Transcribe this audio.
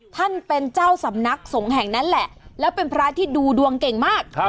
ท่านเป็นเจ้าสำนักสงฆ์แห่งนั้นแหละแล้วเป็นพระที่ดูดวงเก่งมาก